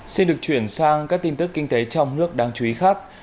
xin được chuyển sang các tin tức kinh tế trong nước đáng chú ý khác